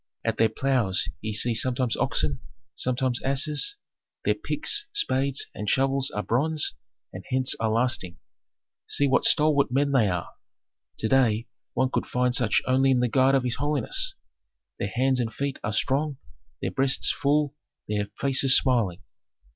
At their ploughs ye see sometimes oxen, sometimes asses; their picks, spades, and shovels are bronze, and hence are lasting. See what stalwart men they are! To day one could find such only in the guard of his holiness. Their hands and feet are strong, their breasts full, their faces smiling.